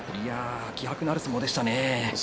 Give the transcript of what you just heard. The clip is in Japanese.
気迫のある相撲でしたね。